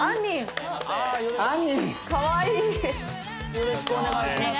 よろしくお願いします。